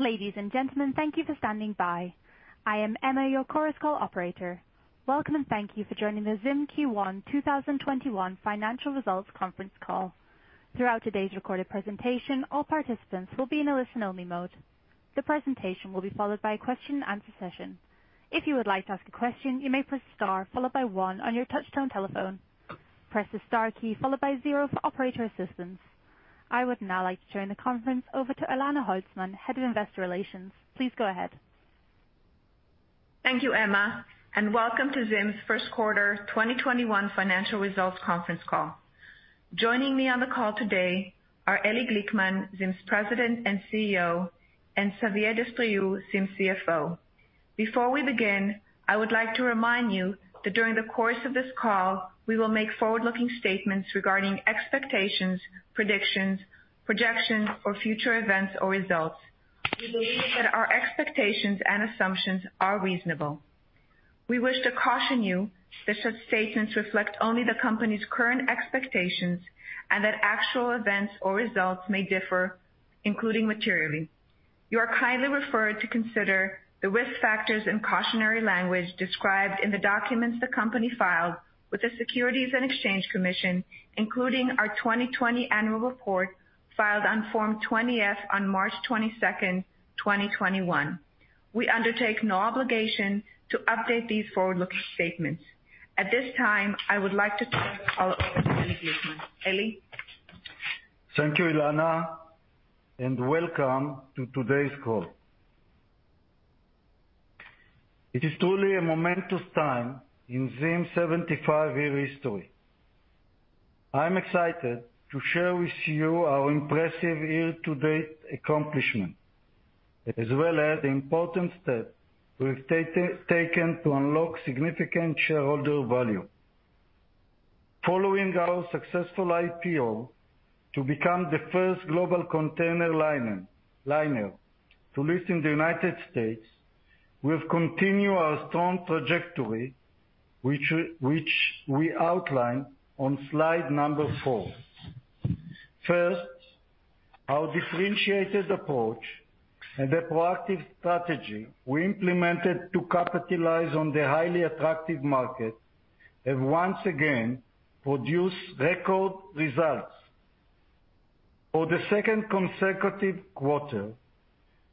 Ladies and gentlemen, thank you for standing by. I am Emma, your Chorus Call operator. Welcome and thank you for joining the ZIM Q1 2021 financial results conference call. Throughout today's recorded presentation, all participants will be in a listen-only mode. The presentation will be followed by a question and answer session. If you would like to ask a question, you may press star followed by one on your touchtone telephone. Press the star key followed by zero for operator assistance. I would now like to turn the conference over to Elana Holzman, Head of Investor Relations. Please go ahead. Thank you, Emma, and welcome to ZIM's first quarter 2021 financial results conference call. Joining me on the call today are Eli Glickman, ZIM's President and CEO, and Xavier Destriau, ZIM's CFO. Before we begin, I would like to remind you that during the course of this call, we will make forward-looking statements regarding expectations, predictions, projections, or future events or results. We believe that our expectations and assumptions are reasonable. We wish to caution you that such statements reflect only the company's current expectations and that actual events or results may differ, including materially. You are kindly referred to consider the risk factors and cautionary language described in the documents the company filed with the Securities and Exchange Commission, including our 2020 annual report filed on Form 20-F on March 22nd, 2021. We undertake no obligation to update these forward-looking statements. At this time, I would like to turn over to Eli Glickman. Eli? Thank you, Elana, and welcome to today's call. It is truly a momentous time in ZIM's 75-year history. I'm excited to share with you our impressive year-to-date accomplishments, as well as the important steps we've taken to unlock significant shareholder value. Following our successful IPO to become the first global container liner to list in the United States, we've continued our strong trajectory, which we outline on slide number four. First, our differentiated approach and the proactive strategy we implemented to capitalize on the highly attractive market have once again produced record results. For the second consecutive quarter,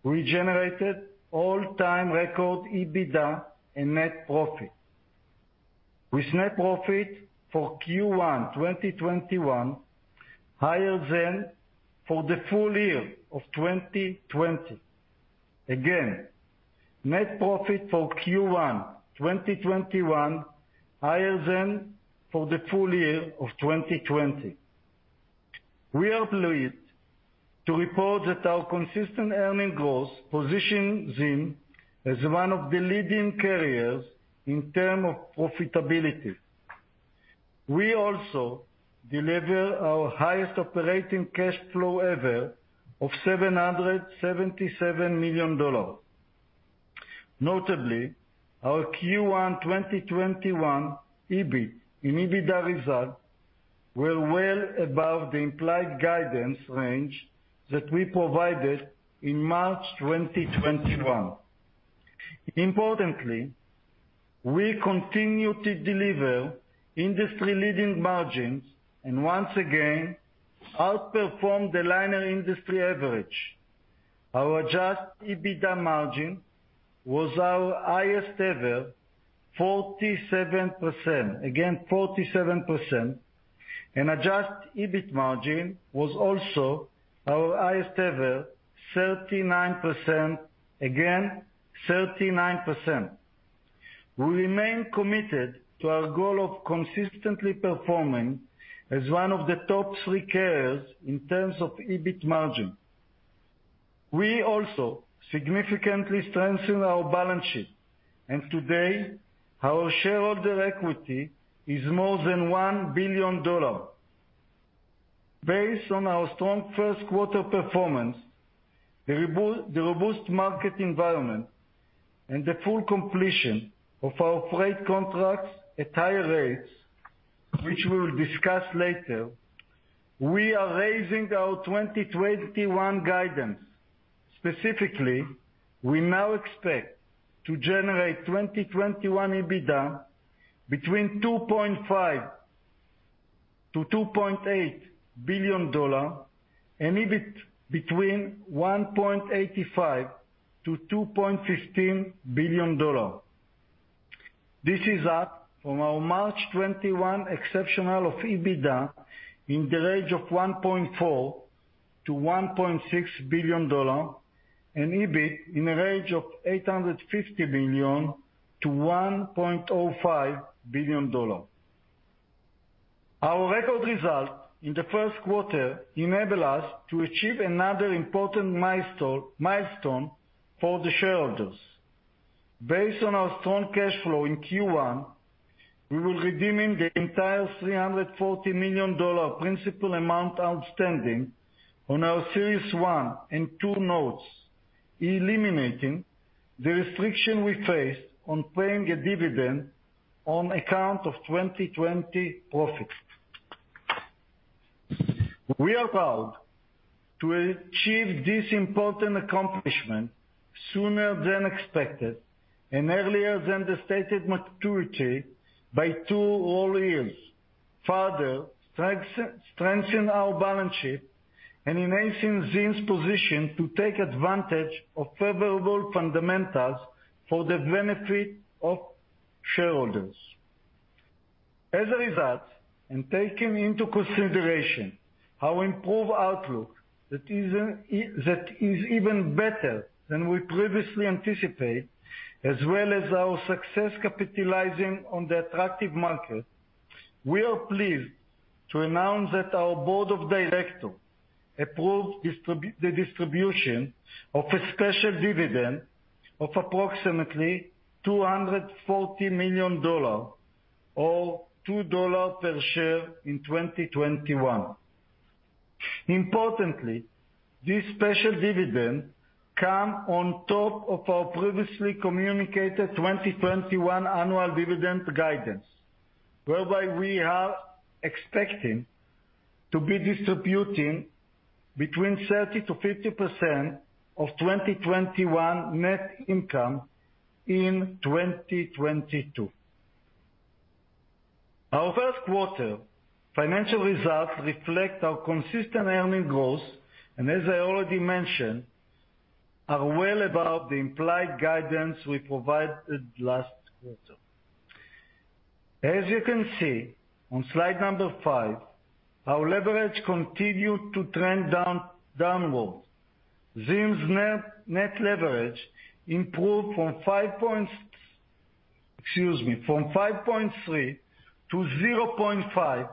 we generated all-time record EBITDA and net profit, with net profit for Q1 2021 higher than for the full year of 2020. Again, net profit for Q1 2021, higher than for the full year of 2020. We are pleased to report that our consistent earning growth positions ZIM as one of the leading carriers in terms of profitability. We also delivered our highest operating cash flow ever of $777 million. Notably, our Q1 2021 EBIT and EBITDA results were well above the implied guidance range that we provided in March 2021. Importantly, we continue to deliver industry-leading margins and once again outperform the liner industry average. Our adjusted EBITDA margin was our highest ever, 47%. Again, 47%. Adjusted EBIT margin was also our highest ever, 39%. Again, 39%. We remain committed to our goal of consistently performing as one of the top three carriers in terms of EBIT margin. We also significantly strengthened our balance sheet, and today our shareholder equity is more than $1 billion. Based on our strong first quarter performance, the robust market environment, and the full completion of our freight contracts at high rates, which we'll discuss later, we are raising our 2021 guidance. Specifically, we now expect to generate 2021 EBITDA between $2.5 billion-$2.8 billion, and EBIT between $1.85 billion-$2.15 billion. This is up from our March 2021 exceptional of EBITDA in the range of $1.4 billion-$1.6 billion, and EBIT in a range of $850 million-$1.05 billion. Our record result in the first quarter enabled us to achieve another important milestone for the shareholders. Based on our strong cash flow in Q1, we will be redeeming the entire $340 million principal amount outstanding on our Series 1 and 2 notes, eliminating the restriction we face on paying a dividend on account of 2020 profits. We are proud to achieve this important accomplishment sooner than expected and earlier than the stated maturity by two whole years, further strengthen our balance sheet and enhancing ZIM's position to take advantage of favorable fundamentals for the benefit of shareholders. As a result, and taking into consideration our improved outlook that is even better than we previously anticipate, as well as our success capitalizing on the attractive market, we are pleased to announce that our board of directors approved the distribution of a special dividend of approximately $240 million, or $2 per share in 2021. Importantly, this special dividend comes on top of our previously communicated 2021 annual dividend guidance, whereby we are expecting to be distributing between 30%-50% of 2021 net income in 2022. Our first quarter financial results reflect our consistent earning growth, and as I already mentioned, are well above the implied guidance we provided last quarter. As you can see on slide number five, our leverage continued to trend downwards. ZIM's net leverage improved from 5.3 to 0.5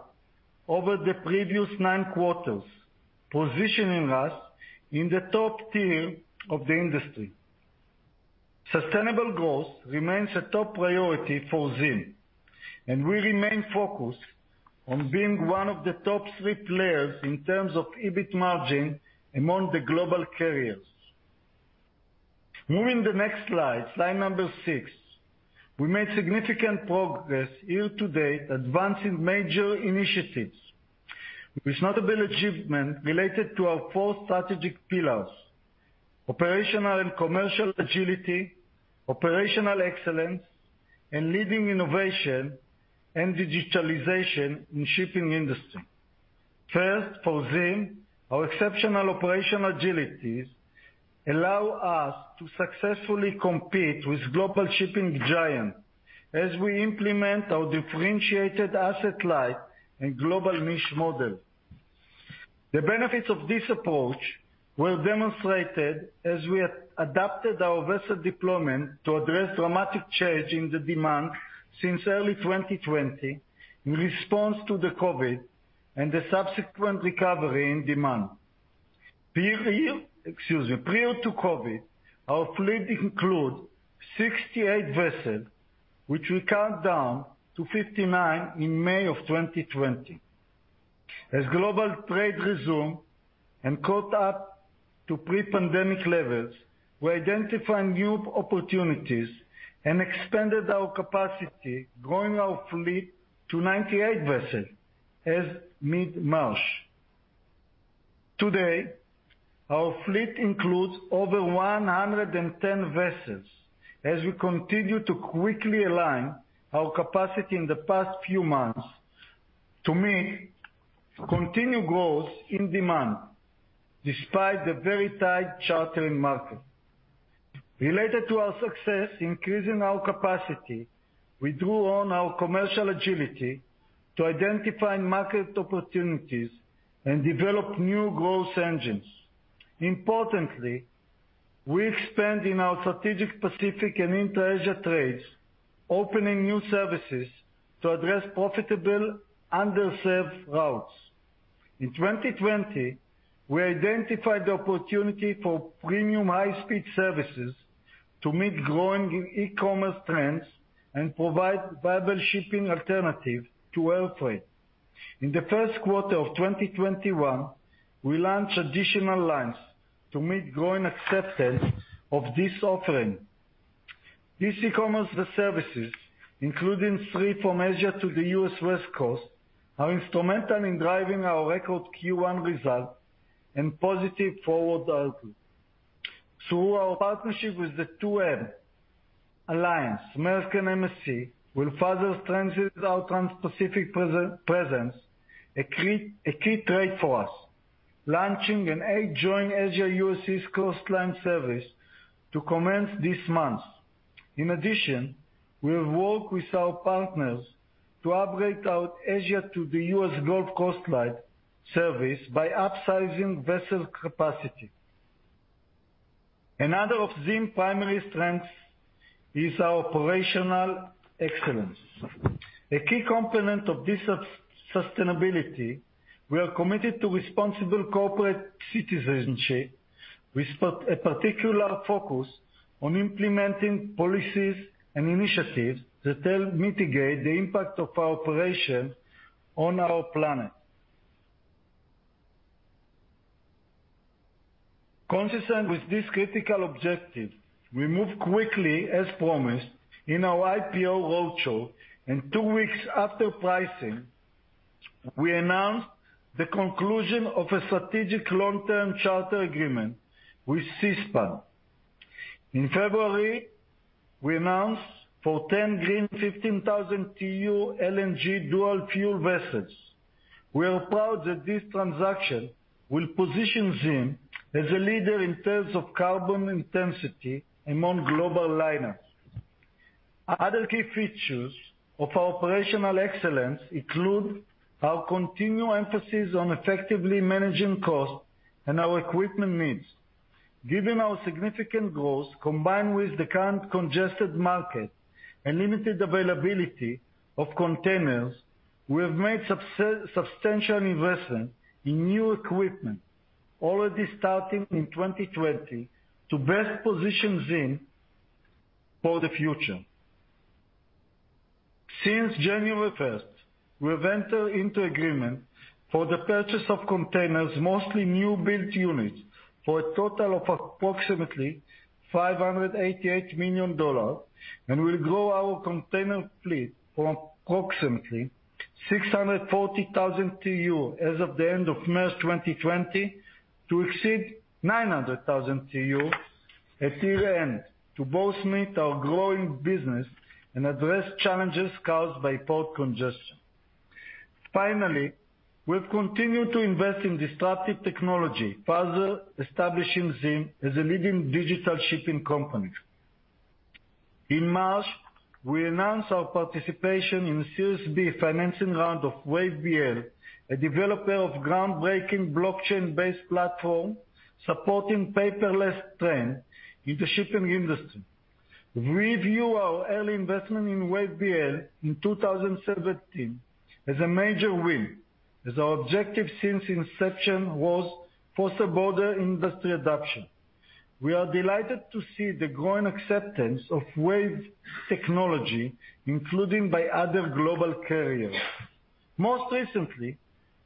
over the previous nine quarters, positioning us in the top tier of the industry. Sustainable growth remains a top priority for ZIM, and we remain focused on being one of the top three players in terms of EBIT margin among the global carriers. Moving the next slide number six. We made significant progress year to date, advancing major initiatives with notable achievement related to our four strategic pillars, operational and commercial agility, operational excellence, and leading innovation and digitalization in shipping industry. First, for ZIM, our exceptional operational agility allow us to successfully compete with global shipping giants as we implement our differentiated asset-light and global niche model. The benefits of this approach were demonstrated as we adapted our vessel deployment to address dramatic change in the demand since early 2020 in response to the COVID and the subsequent recovery in demand. Prior to COVID, our fleet includes 68 vessels, which we cut down to 59 in May of 2020. As global trade resumed and caught up to pre-pandemic levels, we identified new opportunities and expanded our capacity, growing our fleet to 98 vessels as mid-March. Today, our fleet includes over 110 vessels as we continue to quickly align our capacity in the past few months to meet continued growth in demand, despite the very tight chartering market. Related to our success increasing our capacity, we drew on our commercial agility to identify market opportunities and develop new growth engines. Importantly, we expanded our strategic Pacific and intra-Asia trades, opening new services to address profitable underserved routes. In 2020, we identified the opportunity for premium high-speed services to meet growing e-commerce trends and provide viable shipping alternative to air freight. In the first quarter of 2021, we launched additional lines to meet growing acceptance of this offering. These e-commerce services, including fleet from Asia to the U.S. West Coast, are instrumental in driving our record Q1 results and positive forward outlook. Through our partnership with the 2M Alliance, Maersk and MSC, we further strengthened our Transpacific presence, a key trade for us, launching an eight-join Asia U.S. East Coast line service to commence this month. In addition, we have worked with our partners to upgrade our Asia to the U.S. Gulf Coast line service by upsizing vessel capacity. Another of ZIM's primary strengths is our operational excellence. A key component of this sustainability, we are committed to responsible corporate citizenship with a particular focus on implementing policies and initiatives that help mitigate the impact of our operation on our planet. Consistent with these critical objectives, we moved quickly as promised in our IPO roadshow, and two weeks after pricing, we announced the conclusion of a strategic long-term charter agreement with Seaspan. In February, we announced for 10 ZIM 15,000 TEU LNG dual fuel vessels. We are proud that this transaction will position ZIM as a leader in terms of carbon intensity among global liners. Other key features of operational excellence include our continued emphasis on effectively managing costs and our equipment needs. Given our significant growth, combined with the current congested market and limited availability of containers, we have made substantial investment in new equipment already starting in 2020 to best position ZIM for the future. Since January 1st, we have entered into agreement for the purchase of containers, mostly new build units, for a total of approximately $588 million. We grow our container fleet from approximately 640,000 TEU as of the end of March 2020 to exceed 900,000 TEU at year-end, to both meet our growing business and address challenges caused by port congestion. Finally, we've continued to invest in disruptive technology, further establishing ZIM as a leading digital shipping company. In March, we announced our participation in Series B financing round of WaveBL, a developer of groundbreaking blockchain-based platform supporting paperless trade in the shipping industry. We view our early investment in WaveBL in 2017 as a major win, as our objective since inception was foster broader industry adoption. We are delighted to see the growing acceptance of WaveBL technology, including by other global carriers. Most recently,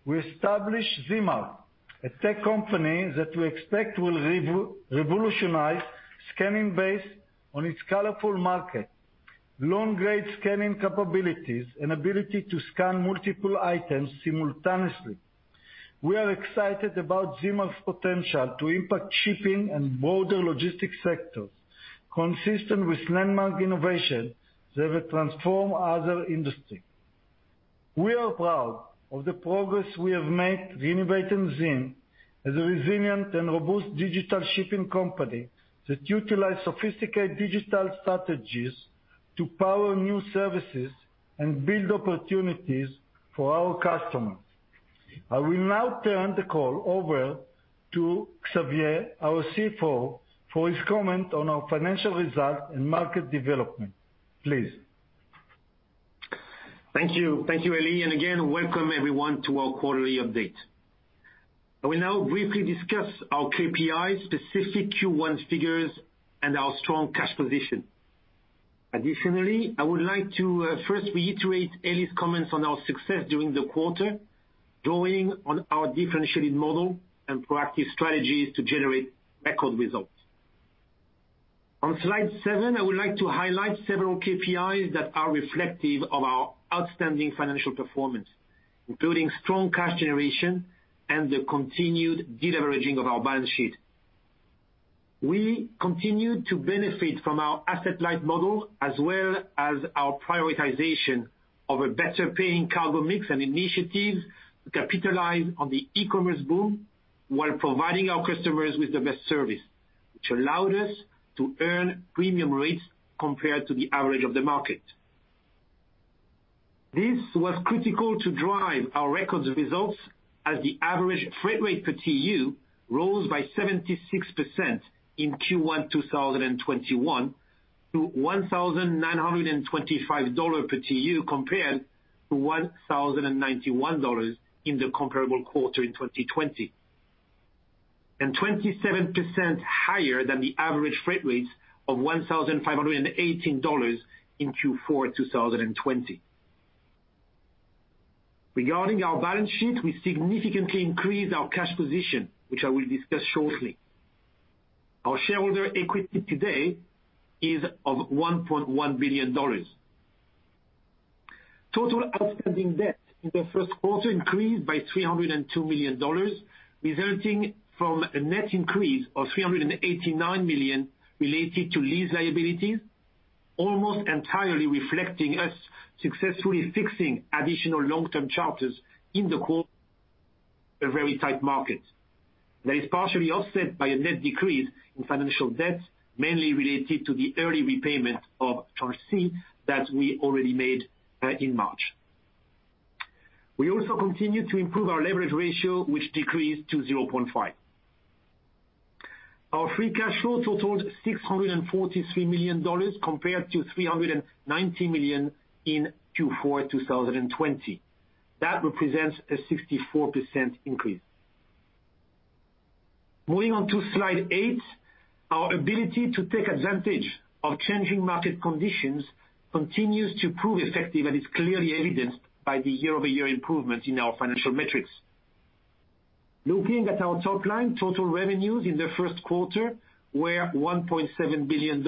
we established ZIMARK, a tech company that we expect will revolutionize scanning based on its colorful market, long-range scanning capabilities, and ability to scan multiple items simultaneously. We are excited about ZIMARK's potential to impact shipping and broader logistics sectors, consistent with landmark innovation that will transform other industry. We are proud of the progress we have made reinventing ZIM as a resilient and robust digital shipping company that utilize sophisticated digital strategies to power new services and build opportunities for our customers. I will now turn the call over to Xavier, our CFO, for his comment on our financial results and market development. Please. Thank you. Thank you, Eli. Again, welcome everyone to our quarterly update. I will now briefly discuss our KPIs, specific Q1 figures, and our strong cash position. Additionally, I would like to, first reiterate Eli's comments on our success during the quarter, drawing on our differentiated model and proactive strategies to generate record results. On slide seven, I would like to highlight several KPIs that are reflective of our outstanding financial performance, including strong cash generation and the continued deleveraging of our balance sheet. We continue to benefit from our asset-light model, as well as our prioritization of a better paying cargo mix and initiatives to capitalize on the e-commerce boom while providing our customers with the best service, which allowed us to earn premium rates compared to the average of the market. This was critical to drive our record results as the average freight rate per TEU rose by 76% in Q1 2021 to $1,925 per TEU compared to $1,091 in the comparable quarter in 2020, and 27% higher than the average freight rates of $1,518 in Q4 2020. Regarding our balance sheet, we significantly increased our cash position, which I will discuss shortly. Our shareholder equity today is of $1.1 billion. Total outstanding debt in the first quarter increased by $302 million, resulting from a net increase of $389 million related to lease liabilities, almost entirely reflecting us successfully fixing additional long-term charters in the quarter, a very tight market, that is partially offset by a net decrease in financial debt, mainly related to the early repayment of our Tranche C that we already made, in March. We also continue to improve our leverage ratio, which decreased to 0.5. Our free cash flow totaled $643 million compared to $390 million in Q4 2020. That represents a 64% increase. Moving on to slide eight. Our ability to take advantage of changing market conditions continues to prove effective, and it's clearly evidenced by the year-over-year improvement in our financial metrics. Looking at our top line, total revenues in the first quarter were $1.7 billion,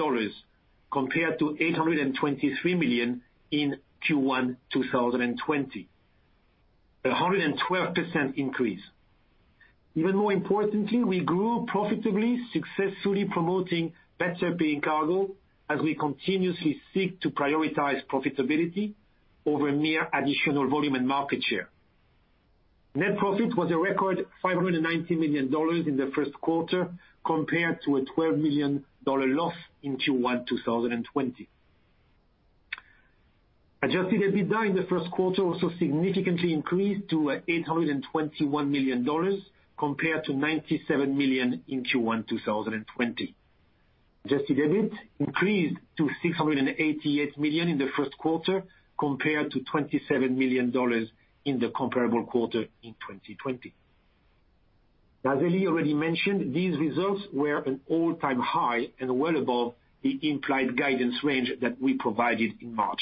compared to $823 million in Q1 2020. 112% increase. Even more importantly, we grew profitably, successfully promoting better paying cargo as we continuously seek to prioritize profitability over mere additional volume and market share. Net profit was a record $590 million in the first quarter compared to a $12 million loss in Q1 2020. Adjusted EBITDA in the first quarter also significantly increased to $821 million, compared to $97 million in Q1 2020. Adjusted EBIT increased to $688 million in the first quarter compared to $27 million in the comparable quarter in 2020. As Eli already mentioned, these results were an all-time high and well above the implied guidance range that we provided in March.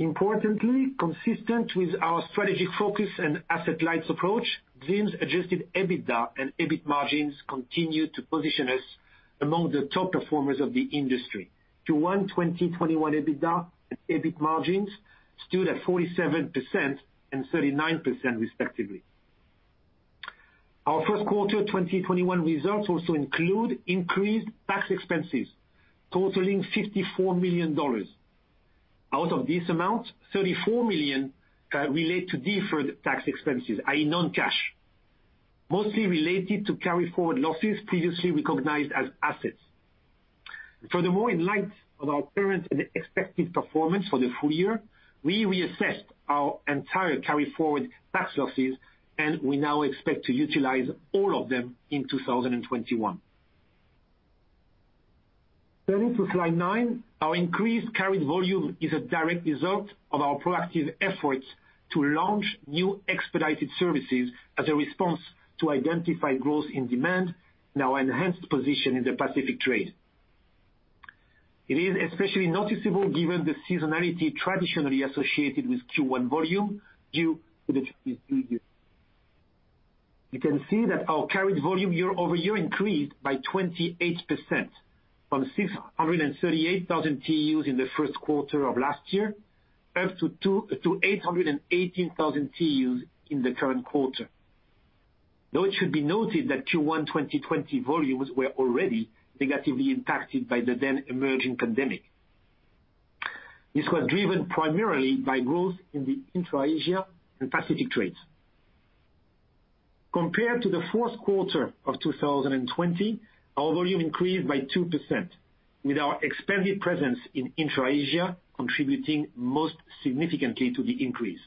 Importantly, consistent with our strategic focus and asset-light approach, ZIM's adjusted EBITDA and EBIT margins continue to position us among the top performers of the industry. Q1 2021 EBITDA and EBIT margins stood at 47% and 39% respectively. Our first quarter 2021 results also include increased tax expenses totaling $54 million. Out of this amount, $34 million relate to deferred tax expenses, i.e., non-cash, mostly related to carryforward losses previously recognized as assets. Furthermore, in light of our current and expected performance for the full year, we reassessed our entire carryforward tax losses, and we now expect to utilize all of them in 2021. Moving to slide nine. Our increased carried volume is a direct result of our proactive efforts to launch new expedited services as a response to identify growth in demand and our enhanced position in the Pacific trade. It is especially noticeable given the seasonality traditionally associated with Q1 volume. You can see that our carried volume year-over-year increased by 28% from 638,000 TEUs in the first quarter of last year up to 818,000 TEUs in the current quarter. Though it should be noted that Q1 2020 volumes were already negatively impacted by the then emerging pandemic. This was driven primarily by growth in the intra-Asia and Pacific trades. Compared to the fourth quarter of 2020, our volume increased by 2%, with our expanded presence in intra-Asia contributing most significantly to the increase.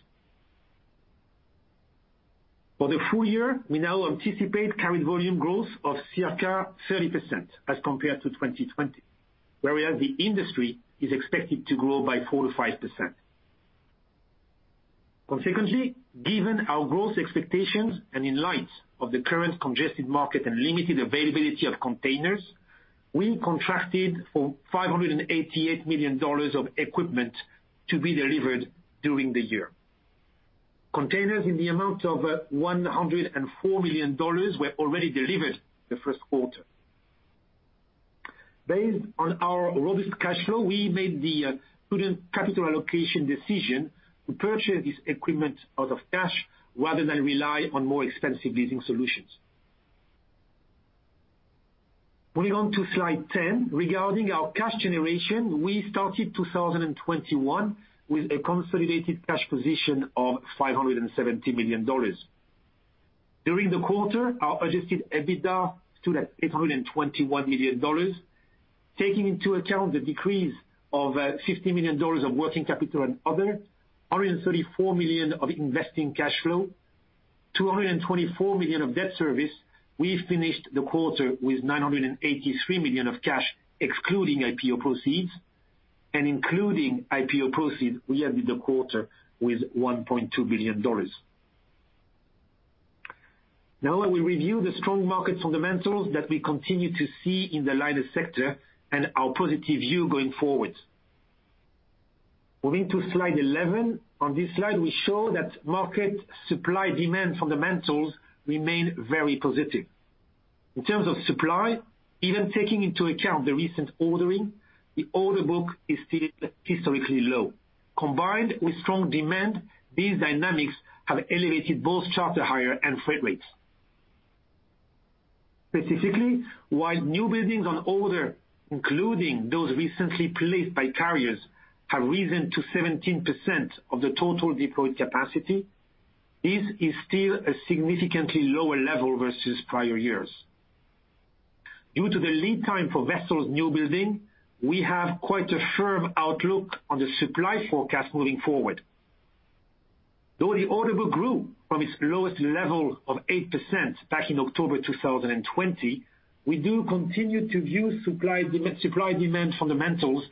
For the full year, we now anticipate carried volume growth of circa 30% as compared to 2020, whereas the industry is expected to grow by 4% to 5%. Consequently, given our growth expectations and in light of the current congested market and limited availability of containers, we contracted for $588 million of equipment to be delivered during the year. Containers in the amount of $104 million were already delivered the first quarter. Based on our robust cash flow, we made the prudent capital allocation decision to purchase this equipment out of cash rather than rely on more expensive leasing solutions. Moving on to slide 10. Regarding our cash generation, we started 2021 with a consolidated cash position of $570 million. During the quarter, our adjusted EBITDA stood at $821 million. Taking into account the decrease of $50 million of working capital and other, $134 million of investing cash flow, $224 million of debt service, we finished the quarter with $983 million of cash, excluding IPO proceeds, and including IPO proceeds, we ended the quarter with $1.2 billion. Now we review the strong market fundamentals that we continue to see in the wider sector and our positive view going forward. Moving to slide 11. On this slide, we show that market supply-demand fundamentals remain very positive. In terms of supply, even taking into account the recent ordering, the order book is still historically low. Combined with strong demand, these dynamics have elevated both charter hire and freight rates. Specifically, while new buildings on order, including those recently placed by carriers, have risen to 17% of the total deployed capacity, this is still a significantly lower level versus prior years. Due to the lead time for vessels new building, we have quite a firm outlook on the supply forecast moving forward. Though the order book grew from its lowest level of 8% back in October 2020, we do continue to view supply-demand fundamentals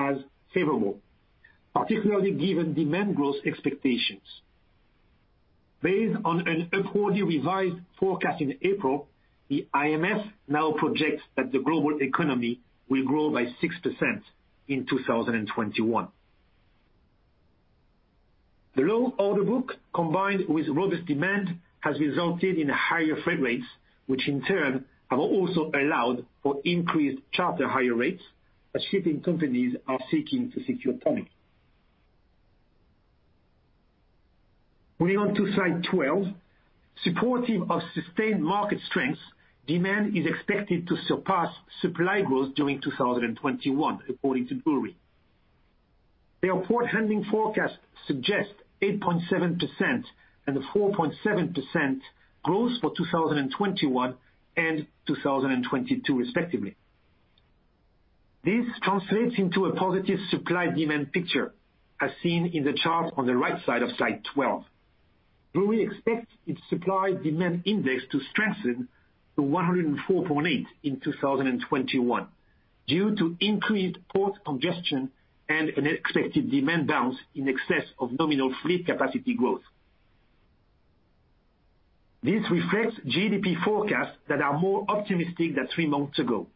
as favorable, particularly given demand growth expectations. Based on an upwardly revised forecast in April, the IMF now projects that the global economy will grow by 6% in 2021. The low order book, combined with robust demand, has resulted in higher freight rates, which in turn have also allowed for increased charter hire rates as shipping companies are seeking to secure tonnage. Moving on to slide 12. Supportive of sustained market strengths, demand is expected to surpass supply growth during 2021, according to Drewry. Their port handling forecast suggests 8.7% and 4.7% growth for 2021 and 2022 respectively. This translates into a positive supply-demand picture, as seen in the chart on the right side of slide 12. Drewry expects its supply-demand index to strengthen to 104.8 in 2021 due to increased port congestion and an expected demand bounce in excess of nominal fleet capacity growth. This reflects GDP forecasts that are more optimistic than three months ago.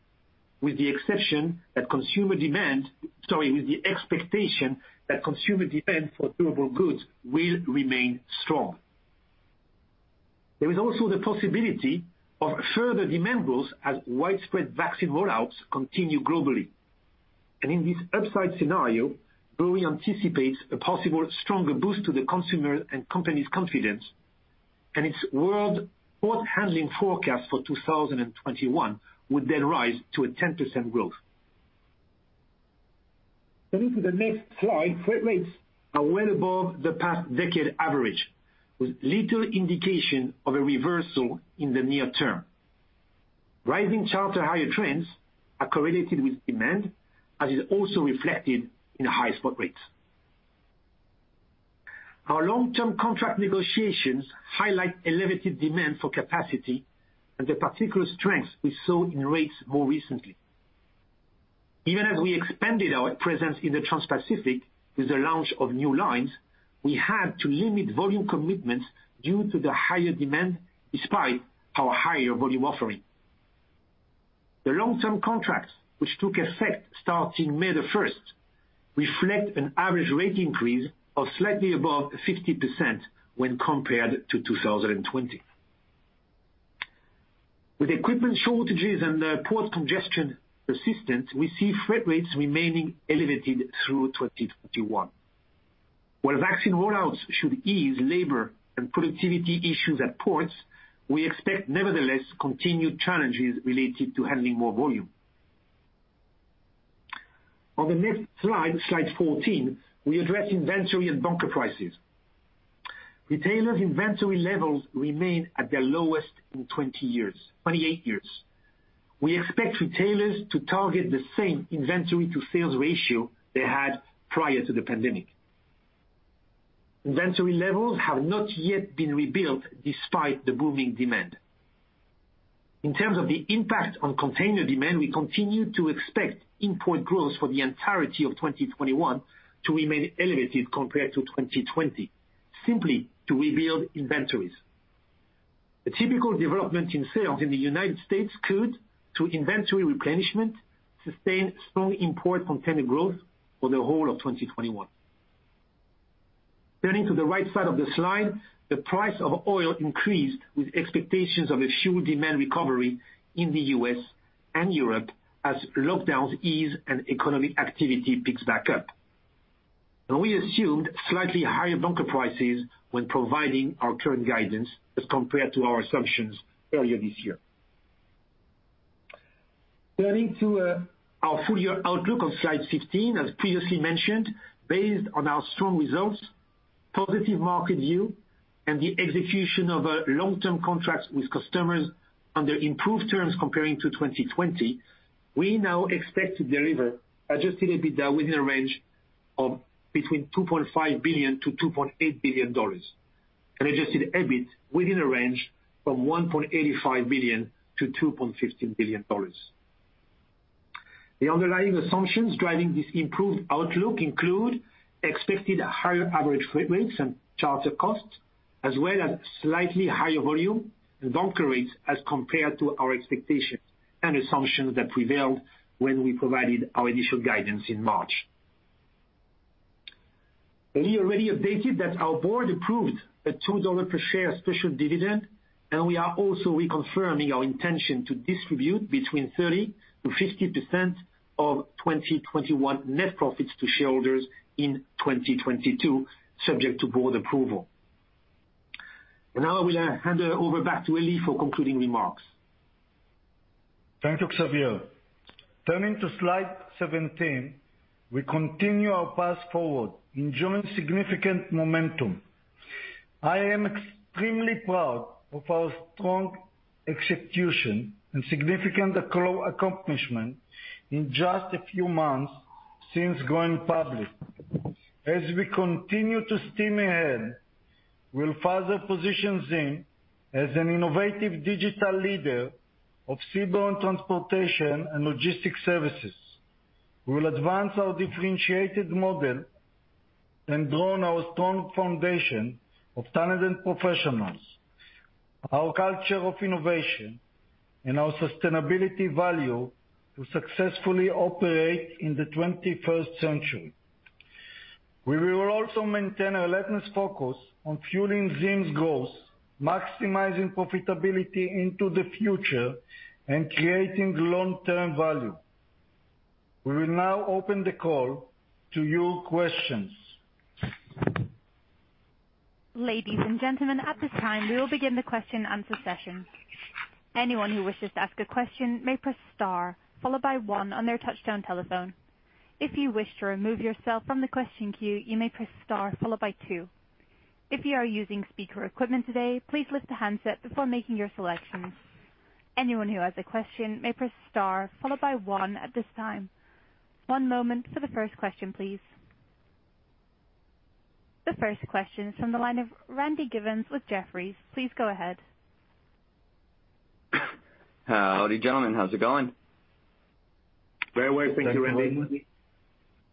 With the exception that consumer demand, sorry, with the expectation that consumer demand for durable goods will remain strong. There is also the possibility of further demand growth as widespread vaccine roll-outs continue globally. In this upside scenario, Drewry anticipates a possible stronger boost to the consumer and company confidence, and its world port handling forecast for 2021 would then rise to a 10% growth. Moving to the next slide. Freight rates are well above the past decade average, with little indication of a reversal in the near term. Rising charter hire trends are correlated with demand, as is also reflected in high spot rates. Our long-term contract negotiations highlight elevated demand for capacity and the particular strength we saw in rates more recently. Even as we expanded our presence in the Transpacific with the launch of new lines, we had to limit volume commitments due to the higher demand despite our higher volume offering. The long-term contracts, which took effect starting May the 1st, reflect an average rate increase of slightly above 50% when compared to 2020. With equipment shortages and port congestion persistent, we see freight rates remaining elevated through 2021. Where vaccine roll-outs should ease labor and productivity issues at ports, we expect nevertheless continued challenges related to handling more volume. On the next slide 14, we address inventory and bunker prices. Retailers' inventory levels remain at their lowest in 28 years. We expect retailers to target the same inventory-to-sales ratio they had prior to the pandemic. Inventory levels have not yet been rebuilt despite the booming demand. In terms of the impact on container demand, we continue to expect import growth for the entirety of 2021 to remain elevated compared to 2020, simply to rebuild inventories. The typical development in sales in the U.S. could, through inventory replenishment, sustain strong import container growth for the whole of 2021. Turning to the right side of the slide, the price of oil increased with expectations of a huge demand recovery in the U.S. and Europe as lockdowns ease and economic activity picks back up. Now we assumed slightly higher bunker prices when providing our current guidance as compared to our assumptions earlier this year. Turning to our full-year outlook on slide 16, as previously mentioned, based on our strong results, positive market view, and the execution of our long-term contracts with customers under improved terms comparing to 2020, we now expect to deliver adjusted EBITDA within a range of between $2.5 billion-$2.8 billion and adjusted EBIT within a range from $1.85 billion-$2.15 billion. The underlying assumptions driving this improved outlook include expected higher average freight rates and charter costs, as well as slightly higher volume and bunker rates as compared to our expectations and assumptions that prevailed when we provided our initial guidance in March. We already updated that our board approved a $2 per share special dividend, and we are also reconfirming our intention to distribute between 30%-50% of 2021 net profits to shareholders in 2022, subject to board approval. Now I will hand it over back to Eli for concluding remarks. Thank you, Xavier. Turning to slide 17, we continue our path forward, enjoying significant momentum. I am extremely proud of our strong execution and significant accomplishment in just a few months since going public. As we continue to steam ahead, we'll further position ZIM as an innovative digital leader of seaborne transportation and logistics services. We'll advance our differentiated model and grow our strong foundation of talented professionals, our culture of innovation, and our sustainability value to successfully operate in the 21st century. We will also maintain a relentless focus on fueling ZIM's growth, maximizing profitability into the future, and creating long-term value. We will now open the call to your questions. Ladies and gentlemen, at this time we will begin the question and answer session. Anyone who wishes to ask a question, may press star followed by one on their touch tone telephone. If you wish to remove yourself from the question queue, you may press star followed by two. If you are using speaker equipment today, please lift the handset before making your selection. Anyone who has a question may press star followed by one at this time. One moment for the first question please. The first question is from the line of Randy Giveans with Jefferies. Please go ahead. Howdy, gentlemen. How's it going? Very well, thank you, Randy.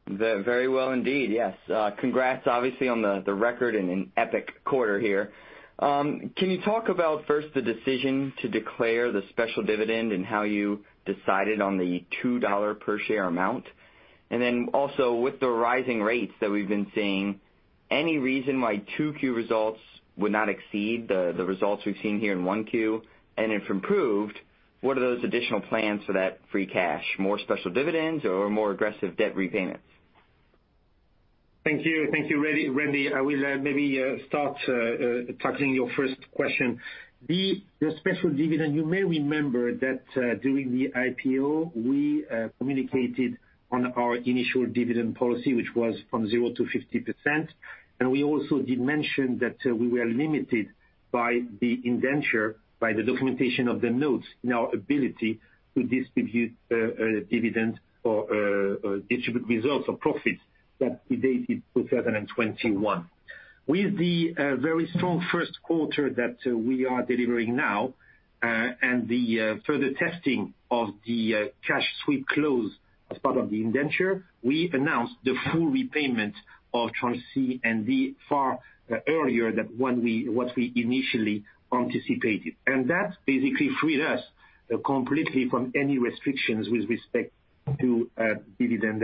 Very well indeed. Yes. Congrats, obviously, on the record and an epic quarter here. Can you talk about first the decision to declare the special dividend and how you decided on the $2 per share amount? Also with the rising rates that we've been seeing, any reason why two Q results would not exceed the results we've seen here in one Q? And if improved, what are those additional plans for that free cash? More special dividends or more aggressive debt repayments? Thank you, Randy. I will maybe start tackling your first question. The special dividend, you may remember that during the IPO, we communicated on our initial dividend policy, which was from 0%-50%. We also did mention that we were limited by the indenture, by the documentation of the notes, in our ability to distribute dividends or distribute results or profits that predated 2021. With the very strong first quarter that we are delivering now, and the further testing of the cash sweep clause as part of the indenture, we announced the full repayment of Tranche C and D far earlier than what we initially anticipated. That basically freed us completely from any restrictions with respect to dividend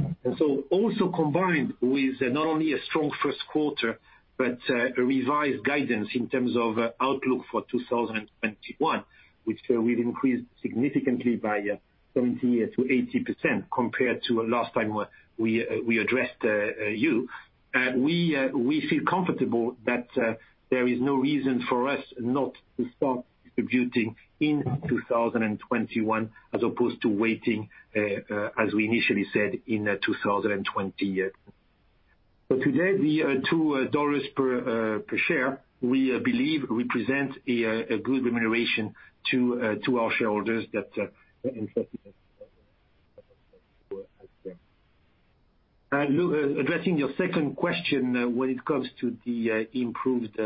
payment. Also combined with not only a strong first quarter, but a revised guidance in terms of outlook for 2021, which we've increased significantly by 70%-80% compared to last time we addressed you. We feel comfortable that there is no reason for us not to start distributing in 2021 as opposed to waiting, as we initially said, in 2020. Today, the $2 per share, we believe, represents a good remuneration to our shareholders that. Look, addressing your second question, when it comes to the improved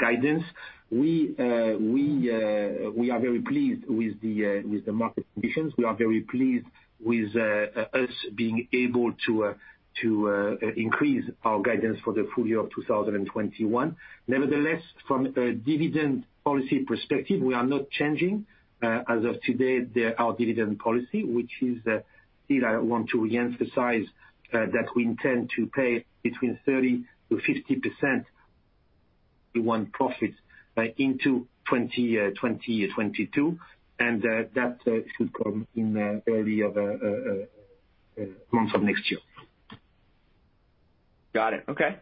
guidance, we are very pleased with the market conditions. We are very pleased with us being able to increase our guidance for the full year of 2021. Nevertheless, from a dividend policy perspective, we are not changing, as of today, our dividend policy, which is, again, I want to reemphasize that we intend to pay between 30%-50% Q1] profits into 2022, and that should come in the early of month of next year. Got it. Okay.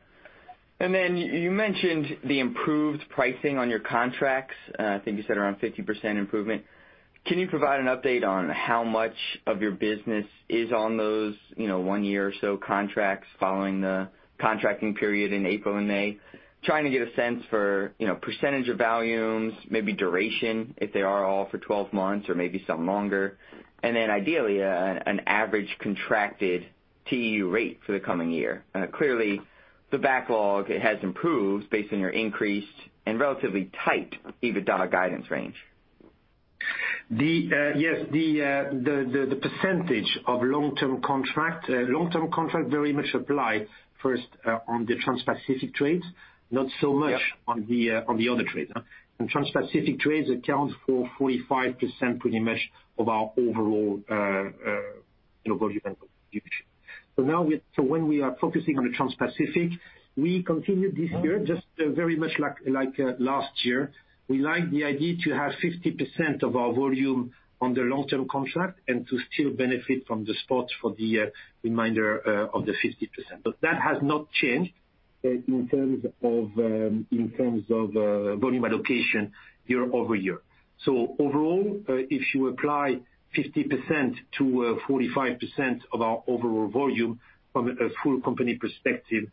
You mentioned the improved pricing on your contracts. I think you said around 50% improvement. Can you provide an update on how much of your business is on those one year or so contracts following the contracting period in April and May? Trying to get a sense for percentage of volumes, maybe duration, if they are all for 12 months or maybe some longer, and then ideally, an average contracted TEU rate for the coming year. Clearly, the backlog has improved based on your increased and relatively tight EBITDA guidance range. Yes. The percentage of long-term contract very much applies first on the Transpacific trades, not so much on the other trade. Transpacific trades account for 45% pretty much of our overall volume. Now when we are focusing on the Transpacific, we continued this year just very much like last year. We like the idea to have 50% of our volume on the long-term contract and to still benefit from the spots for the reminder of the 50%. That has not changed in terms of volume allocation year-over-year. Overall, if you apply 50% to 45% of our overall volume from a full company perspective,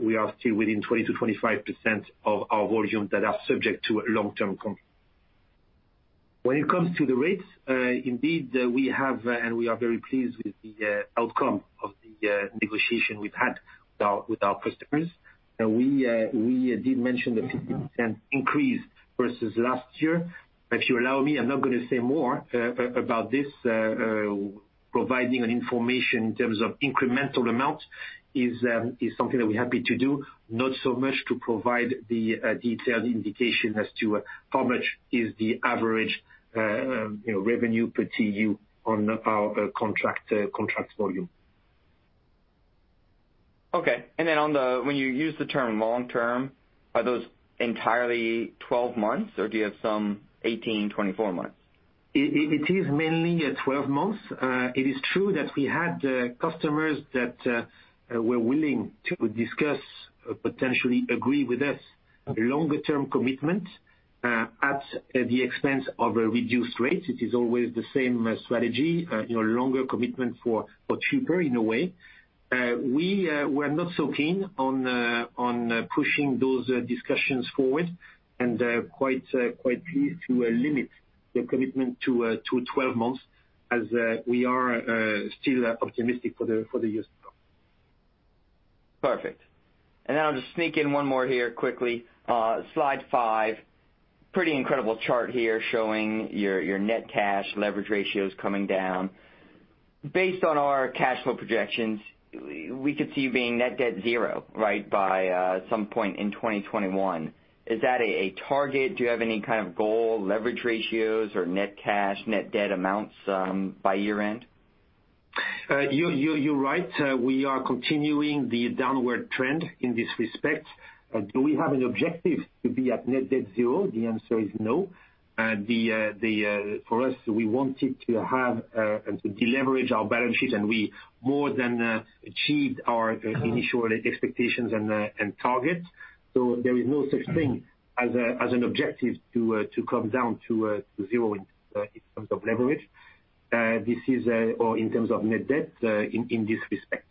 we are still within 20%-25% of our volume that are subject to long-term contract. When it comes to the rates, indeed, we have and we are very pleased with the outcome of the negotiation we've had with our customers. We did mention a [15%] increase versus last year. If you allow me, I'm not going to say more about this. Providing information in terms of incremental amount is something I'll be happy to do, not so much to provide the detailed indication as to how much is the average revenue per TEU on our contract volume. Okay. Then when you use the term long-term, are those entirely 12 months, or do you have some 18, 24 months? It is mainly 12 months. It is true that we had customers that were willing to discuss, potentially agree with us a longer-term commitment at the expense of a reduced rate. It is always the same strategy, longer commitment for cheaper in a way. We were not so keen on pushing those discussions forward and quite pleased to limit the commitment to 12 months as we are still optimistic for the year. Perfect. I'll just sneak in one more here quickly. Slide five. Pretty incredible chart here showing your net cash leverage ratios coming down. Based on our cash flow projections, we could see being net debt zero by some point in 2021. Is that a target? Do you have any kind of goal leverage ratios or net cash, net debt amounts by year-end? You're right. We are continuing the downward trend in this respect. Do we have an objective to be at net debt zero? The answer is no. For us, we wanted to deleverage our balance sheet, and we more than achieved our initial expectations and targets. There is no such thing as an objective to come down to zero in terms of leverage, or in terms of net debt in this respect.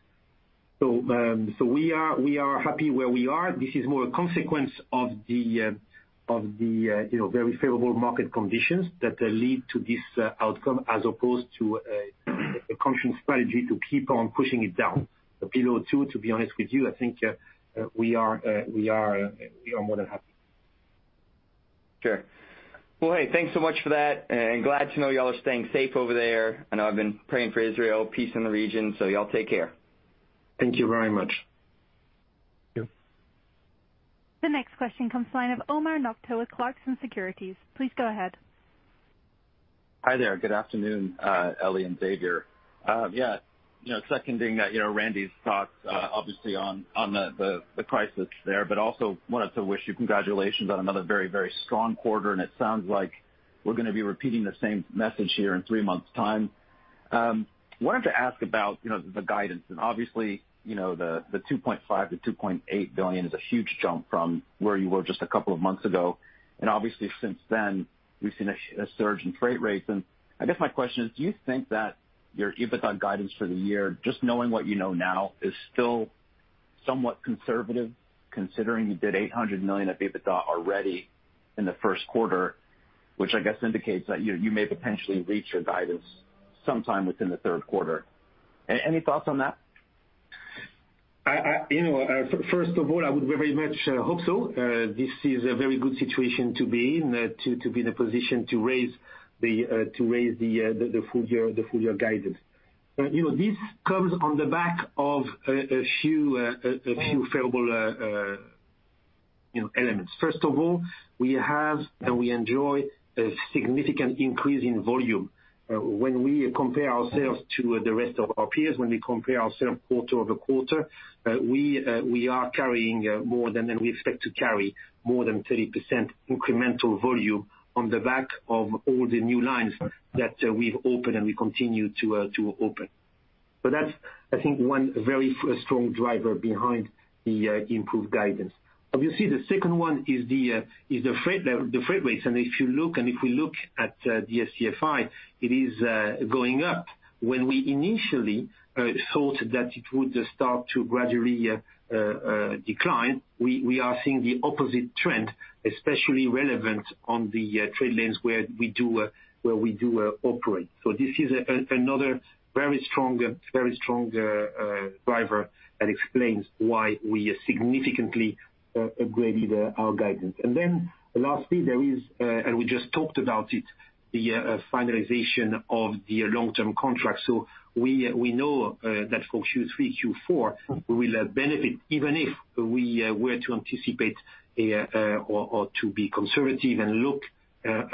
We are happy where we are. This is more a consequence of the very favorable market conditions that lead to this outcome as opposed to a conscious strategy to keep on pushing it down. To be honest with you, I think we are more than happy. Sure. Well, hey, thanks so much for that, and glad to know y'all are staying safe over there. I've been praying for Israel, peace in the region, so y'all take care. Thank you very much. Yeah. The next question comes line of Omar Nokta with Clarksons Securities. Please go ahead. Hi there. Good afternoon, Eli and Xavier. Second thing that Randy's talked obviously on the crisis there, but also wanted to wish you congratulations on another very, very strong quarter, and it sounds like we're going to be repeating the same message here in three months time. Wanted to ask about the guidance and obviously, the $2.5 billion-$2.8 billion is a huge jump from where you were just a couple of months ago. Obviously since then, we've seen a surge in freight rates. I guess my question is, do you think that your EBITDA guidance for the year, just knowing what you know now, is still somewhat conservative considering you did $800 million of EBITDA already in the first quarter, which I guess indicates that you may potentially reach your guidance sometime within the third quarter. Any thoughts on that? First of all, I would very much hope so. This is a very good situation to be in, to be in a position to raise the full year guidance. This comes on the back of a few favorable elements. First of all, we have and we enjoy a significant increase in volume. When we compare ourselves to the rest of our peers, when we compare ourselves quarter-over-quarter, we are carrying more than, and we expect to carry more than 30% incremental volume on the back of all the new lines that we open and we continue to open. That's, I think, one very strong driver behind the improved guidance. Obviously, the second one is the freight rates. If you look at the SCFI, it is going up. We initially thought that it would start to gradually decline, we are seeing the opposite trend, especially relevant on the trade lanes where we do operate. This is another very strong driver that explains why we significantly upgraded our guidance. Lastly, there is, and we just talked about it, the finalization of the long-term contract. We know that for Q3, Q4, we will benefit even if we were to anticipate or to be conservative and look at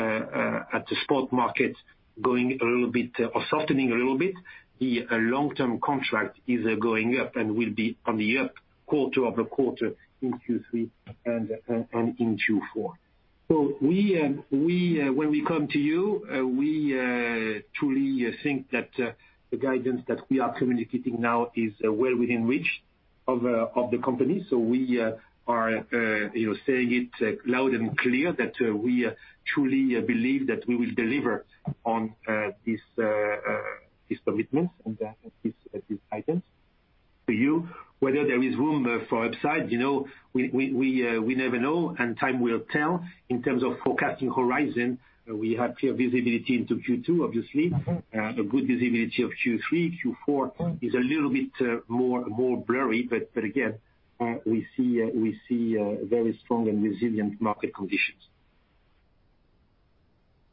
the spot market going a little bit or softening a little bit. The long-term contract is going up and will be on the up quarter-over-quarter in Q3 and in Q4. When we come to you, we truly think that the guidance that we are communicating now is well within reach of the company. We are saying it loud and clear that we truly believe that we will deliver on this commitment and this item. For you, whether there is room for upside, we never know, and time will tell. In terms of forecasting horizon, we have clear visibility into Q2, obviously, a good visibility of Q3. Q4 is a little bit more blurry. Again, we see very strong and resilient market conditions.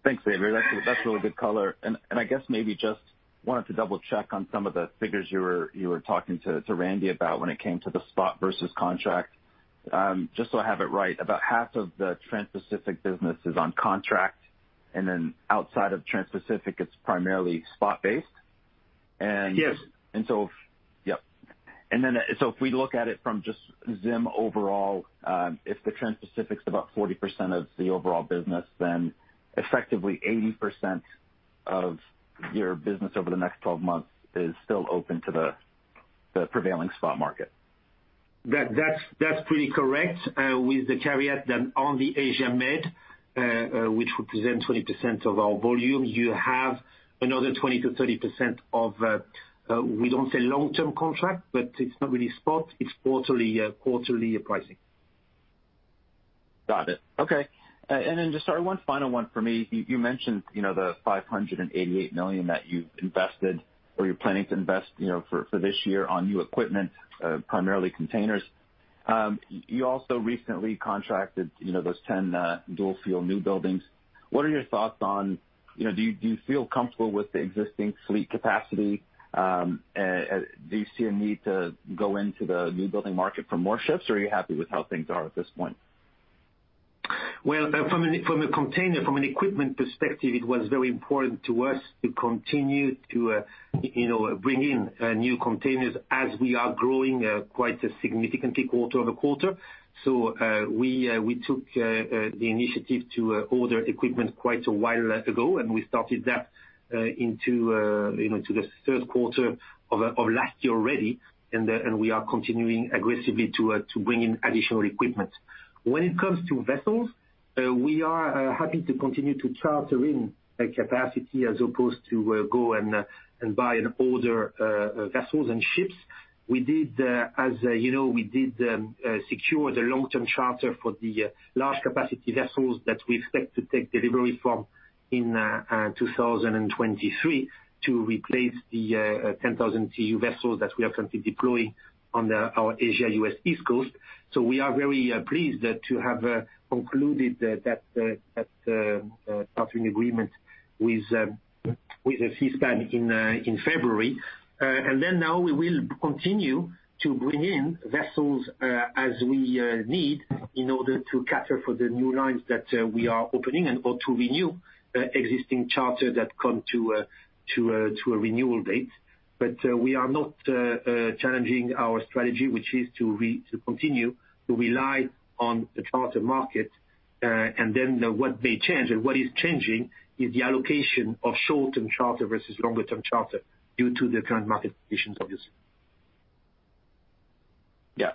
Thanks, Xavier. That's really good color. I guess maybe just wanted to double-check on some of the figures you were talking to Randy about when it came to the spot versus contract. Just so I have it right, about half of the Transpacific business is on contract, outside of Transpacific, it's primarily spot based? Yes. If we look at it from just ZIM overall, if the Transpacific is about 40% of the overall business, then effectively 80% of your business over the next 12 months is still open to the prevailing spot market. That's pretty correct. With the caveat that on the Asia Med, which represents 20% of our volume, you have another 20%-30% of, we don't say long-term contract, but it's not really spot, it's quarterly pricing. Got it. Okay. Just one final one for me. You mentioned the $588 million that you've invested or you're planning to invest for this year on new equipment, primarily containers. You also recently contracted those 10 dual-fuel newbuildings. Do you feel comfortable with the existing fleet capacity? Do you see a need to go into the new building market for more ships, or are you happy with how things are at this point? From the container, from an equipment perspective, it was very important to us to continue to bring in new containers as we are growing quite significantly quarter-over-quarter. We took the initiative to order equipment quite a while ago, and we started that into the third quarter of last year already. We are continuing aggressively to bring in additional equipment. When it comes to vessels, we are happy to continue to charter in capacity as opposed to go and buy older vessels and ships. We did, as you know, we did secure the long-term charter for the large capacity vessels that we expect to take delivery from in 2023 to replace the 10,000 TEU vessels that we are currently deploying on our Asia U.S. East Coast. We are very pleased to have concluded that charter agreement with Seaspan in February. Now we will continue to bring in vessels, as we need, in order to cater for the new lines that we are opening and/or to renew existing charters that come to a renewal date. We are not changing our strategy, which is to continue to rely on the charter market. What may change and what is changing is the allocation of short-term charter versus longer-term charter due to the current market conditions, obviously. Yeah.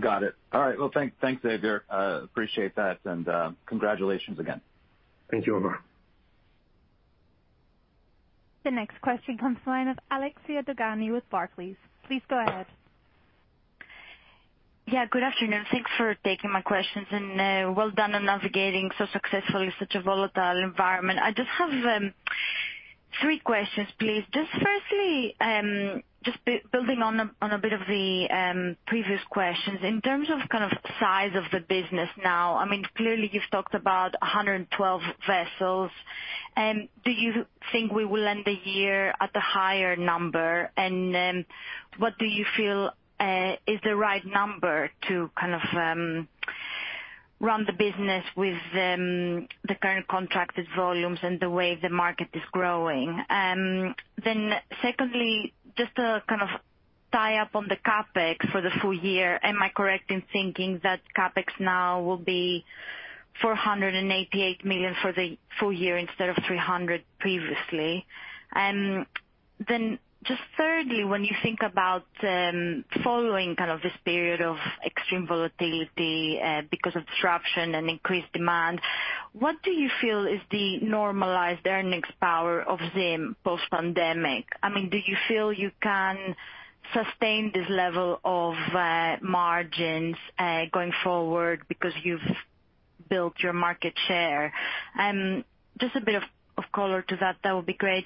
Got it. All right. Thanks, Xavier. Appreciate that and congratulations again. Thank you, Omar. The next question comes the line of Alexia Dogani with Barclays. Please go ahead. Good afternoon. Thanks for taking my questions, and well done on navigating so successfully such a volatile environment. I just have three questions, please. Firstly, just building on a bit of the previous questions. In terms of kind of size of the business now, clearly you've talked about 112 vessels. Do you think we will end the year at a higher number? What do you feel is the right number to kind of run the business with the current contracted volumes and the way the market is growing? Secondly, just to kind of tie up on the CapEx for the full year, am I correct in thinking that CapEx now will be $488 million for the full year instead of $300 million previously? Just thirdly, when you think about following kind of this period of extreme volatility because of disruption and increased demand, what do you feel is the normalized earnings power of ZIM post-pandemic? Do you feel you can sustain this level of margins going forward because you've built your market share? Just a bit of color to that would be great.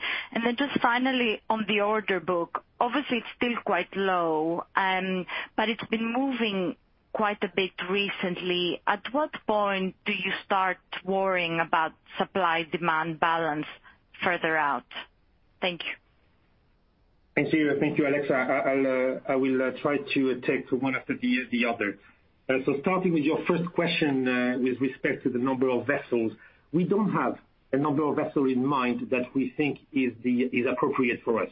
Just finally on the order book, obviously it's still quite low, but it's been moving quite a bit recently. At what point do you start worrying about supply-demand balance further out? Thank you. Thank you, Alexia. I will try to take one after the other. Starting with your first question, with respect to the number of vessels, we don't have a number of vessels in mind that we think is appropriate for us.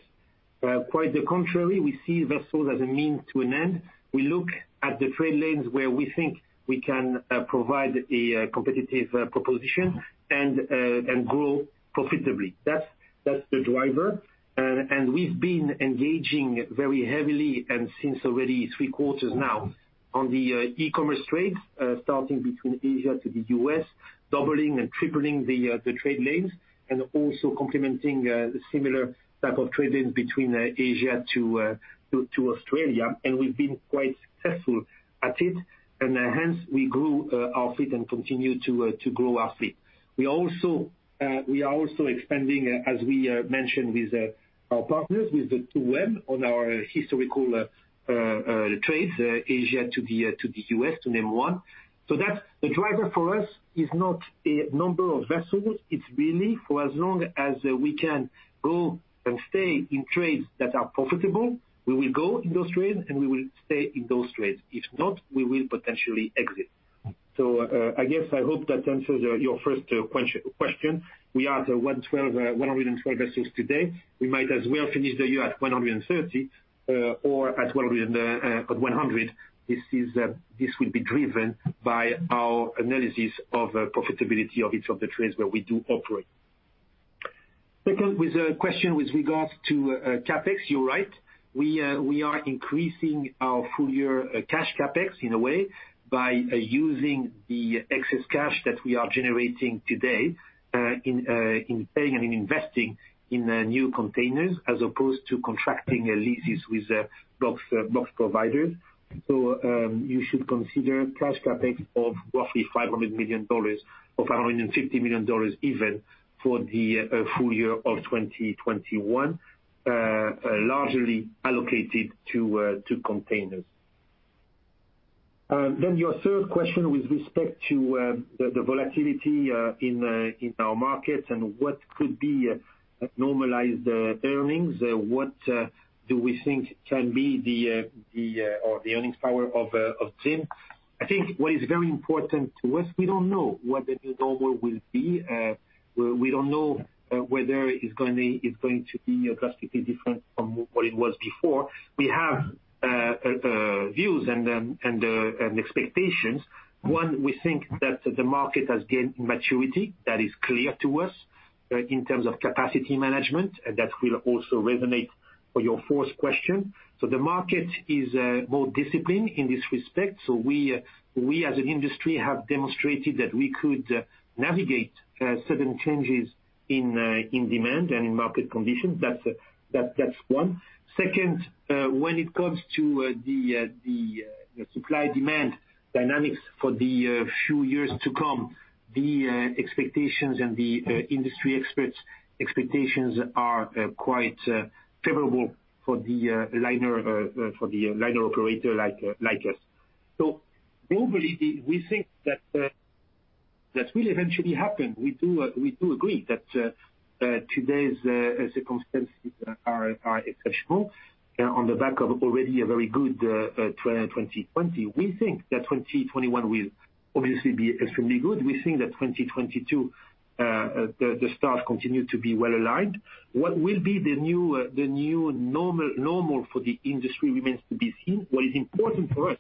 Quite the contrary, we see vessels as a means to an end. We look at the trade lanes where we think we can provide a competitive proposition and grow profitably. That's the driver, and we've been engaging very heavily and since already three quarters now on the e-commerce trades, starting between Asia to the U.S., doubling and tripling the trade lanes, and also complementing a similar type of trade-in between Asia to Australia. And we've been quite successful at it, and hence we grew our fleet and continue to grow our fleet. We are also expanding, as we mentioned, with our partners, with the 2M, on our historical trades, Asia to the U.S., to name one. The driver for us is not a number of vessels, it's really for as long as we can go and stay in trades that are profitable, we will go in those trades, and we will stay in those trades. If not, we will potentially exit. I guess I hope that answers your first question. We are at 112 vessels today. We might as well finish the year at 130 or at 100. This will be driven by our analysis of the profitability of each of the trades that we do operate. Second, with the question with regards to CapEx, you're right. We are increasing our full year cash CapEx in a way by using the excess cash that we are generating today in paying and investing in new containers, as opposed to contracting a leases with box providers. You should consider cash CapEx of roughly $500 million, of $550 million even, for the full year of 2021, largely allocated to containers. Your third question with respect to the volatility in our market and what could be normalized earnings, what do we think can be the earning power of ZIM. I think what is very important to us, we don't know what the new normal will be. We don't know whether it's going to be drastically different from what it was before. We have views and expectations. One, we think that the market has gained maturity. That is clear to us, in terms of capacity management, and that will also resonate for your fourth question. The market is more disciplined in this respect. We, as an industry, have demonstrated that we could navigate certain changes in demand and in market conditions. That's one. Second, when it comes to the supply-demand dynamics for the few years to come, the expectations and the industry experts' expectations are quite favorable for the liner operator like us. Globally, we think that will eventually happen. We do agree that today's circumstances are exceptional. On the back of already a very good 2020, we think that 2021 will obviously be extremely good. We think that 2022, the stars continue to be well-aligned. What will be the new normal for the industry remains to be seen. What is important for us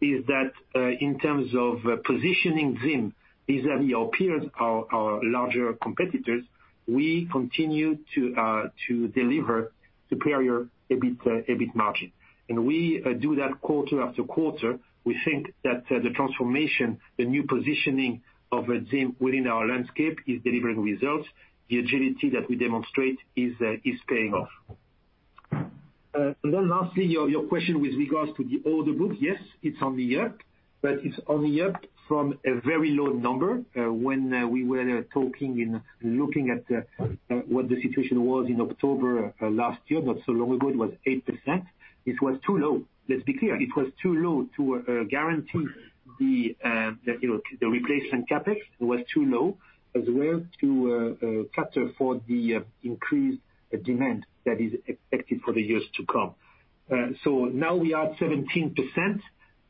is that, in terms of positioning ZIM vis-à-vis our peers, our larger competitors, we continue to deliver superior EBIT margin. We do that quarter after quarter. We think that the transformation, the new positioning of ZIM within our landscape is delivering results. The agility that we demonstrate is paying off. Lastly, your question with regards to the order book. Yes, it's on the up, but it's on the up from a very low number. When we were talking and looking at what the situation was in October last year, not so long ago, it was 8%. It was too low. Let's be clear. It was too low to guarantee the replacement CapEx. It was too low as well to cater for the increased demand that is expected for the years to come. Now we are at 17%.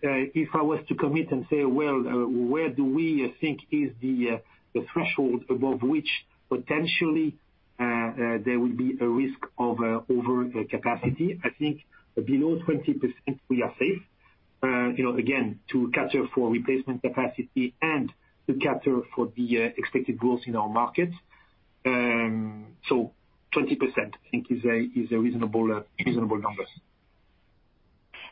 If I was to commit and say, well, where do we think is the threshold above which potentially there will be a risk of overcapacity? I think below 20% we are safe. Again, to cater for replacement capacity and to cater for the expected growth in our market. 20% I think is a reasonable number.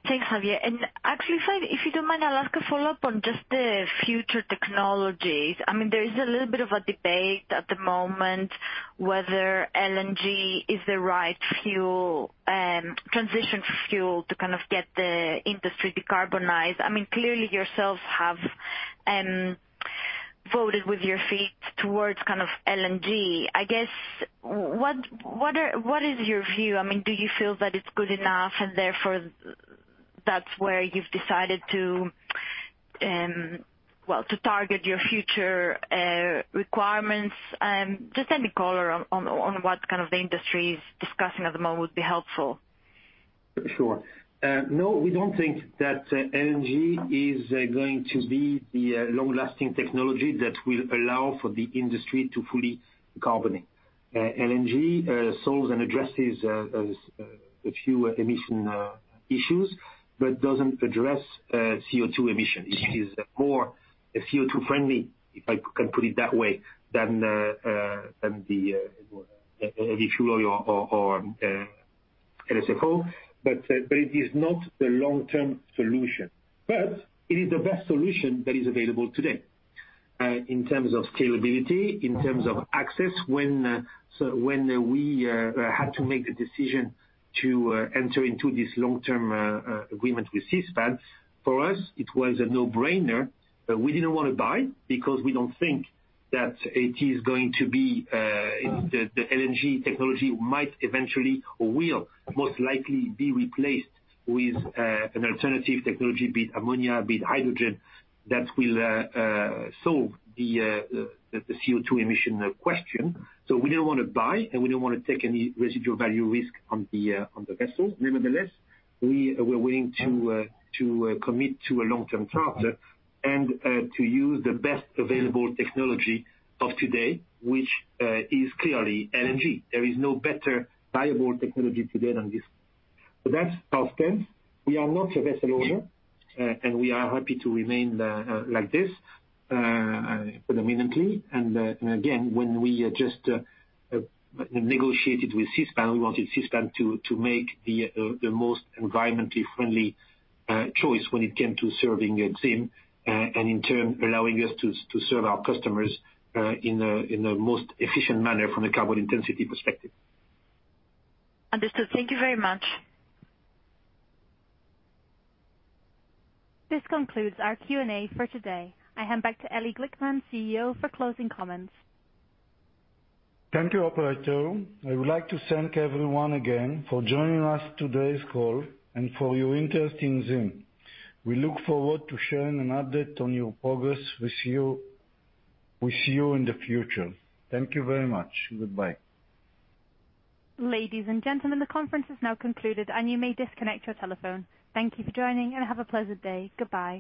Thanks, Xavier. Actually, if you don't mind, I'd like to follow up on just the future technologies. There is a little bit of a debate at the moment whether LNG is the right transition fuel to kind of get the industry decarbonized. Clearly, yourselves have voted with your feet towards LNG. I guess, what is your view? Do you feel that it's good enough, and therefore that's where you've decided to target your future requirements? Just any color on what kind of the industry is discussing at the moment would be helpful. Sure. No, we don't think that LNG is going to be the long-lasting technology that will allow for the industry to fully decarbonate. LNG solves and addresses a few emission issues, but doesn't address CO2 emissions. It is more CO2-friendly, if I can put it that way, than the [heavy fuel oil or diesel], but it is not the long-term solution. It is the best solution that is available today in terms of scalability, in terms of access. When we had to make a decision to enter into this long-term agreement with Seaspan, for us, it was a no-brainer. We didn't want to buy, because we don't think that the LNG technology might eventually, or will most likely be replaced with an alternative technology, be it ammonia, be it hydrogen, that will solve the CO2 emission question. We didn't want to buy, and we didn't want to take any residual value risk on the vessel. Nevertheless, we were willing to commit to a long-term charter and to use the best available technology of today, which is clearly LNG. There is no better viable technology today than this. That's our stance. We are not a vessel owner, and we are happy to remain like this predominantly. Again, when we just negotiated with Seaspan, we wanted Seaspan to make the most environmentally friendly choice when it came to serving ZIM, and in turn allowing us to serve our customers in the most efficient manner from a carbon intensity perspective. Understood. Thank you very much. This concludes our Q&A for today. I hand back to Eli Glickman, CEO, for closing comments. Thank you, operator. I would like to thank everyone again for joining us today's call and for your interest in ZIM. We look forward to sharing an update on your progress with you in the future. Thank you very much. Goodbye. Ladies and gentlemen, the conference is now concluded and you may disconnect your telephone. Thank you for joining and have a pleasant day. Goodbye.